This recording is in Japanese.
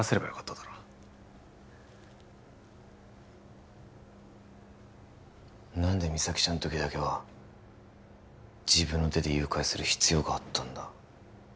だろ何で実咲ちゃんの時だけは自分の手で誘拐する必要があったんだ？